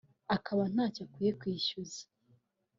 akaba ntacyo akwiye kwishyuza